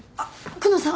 久能さん